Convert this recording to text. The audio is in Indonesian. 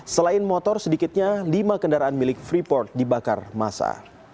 selain motor sedikitnya lima kendaraan milik freeport dibakar masa